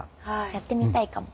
やってみたいかも。